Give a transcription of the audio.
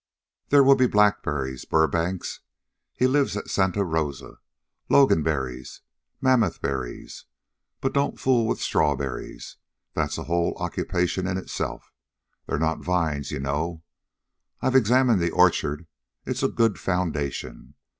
There will be blackberries Burbank's, he lives at Santa Rosa Loganberries, Mammoth berries. But don't fool with strawberries. That's a whole occupation in itself. They're not vines, you know. I've examined the orchard. It's a good foundation.